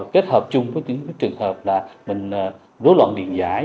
kết hợp chung với những trường hợp là mình rối loạn điện giải